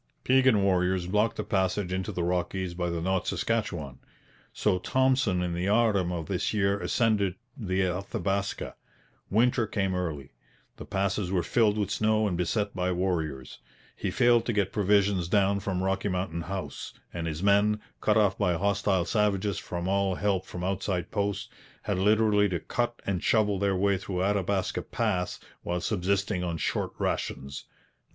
Piegan warriors blocked the passage into the Rockies by the North Saskatchewan; so Thompson in the autumn of this year ascended the Athabaska. Winter came early. The passes were filled with snow and beset by warriors. He failed to get provisions down from Rocky Mountain House; and his men, cut off by hostile savages from all help from outside posts, had literally to cut and shovel their way through Athabaska Pass while subsisting on short rations.